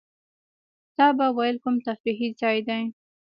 تا به وېل کوم تفریحي ځای دی.